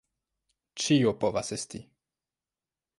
Ĉio povas esti!